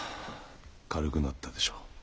軽くなったでしょう。